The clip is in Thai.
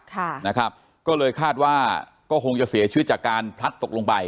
ค่ะนะครับก็เลยคาดว่าก็คงจะเสียชีวิตจากการพลัดตกลงไป